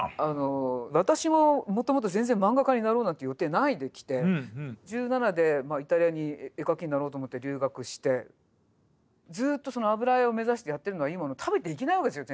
私ももともと全然漫画家になろうなんて予定ないで来て１７でまあイタリアに絵描きになろうと思って留学してずっと油絵を目指してやってるのはいいものの食べていけないわけですよ